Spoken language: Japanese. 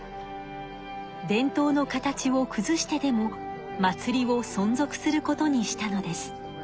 伝統の形をくずしてでも祭りをそん続することにしたのです。